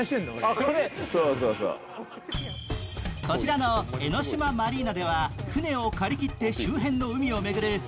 こちらの江の島マリーナでは船を借り切って周辺の海を巡る